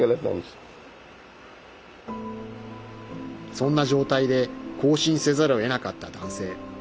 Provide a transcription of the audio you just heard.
そんな状態で行進せざるをえなかった男性。